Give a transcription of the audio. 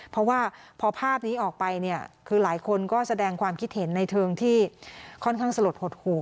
เพราะว่าพอภาพนี้ออกไปเนี่ยคือหลายคนก็แสดงความคิดเห็นในเทิงที่ค่อนข้างสลดหดหู